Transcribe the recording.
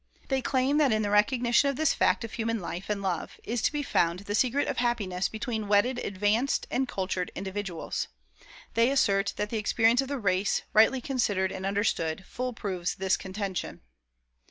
They claim that in the recognition of this fact of human life and love is to be found the secret of married happiness between wedded advanced and cultured individuals. They assert that the experience of the race, rightly considered and understood, full proves this contention.